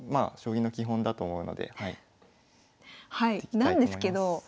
なんですけど稲葉